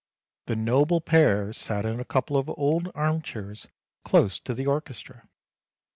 The noble pair sat in a couple of old arm chairs close to the orchestra.